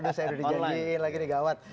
aduh saya udah dijanjiin lagi nih gawat